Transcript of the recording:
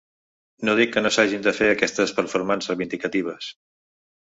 No dic que no s’hagen de fer aquestes ‘performances’ reivindicatives.